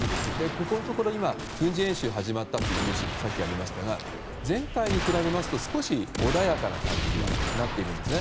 ここのところ軍事演習が始まったというニュースが先ほどもありましたが前回に比べますと少し穏やかな感じにはなっているんですね。